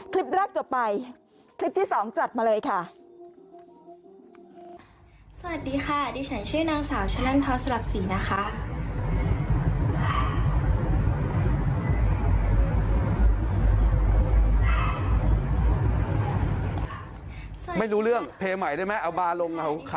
คลิปแรกจบไปคลิปที่สองจัดมาเลยค่ะ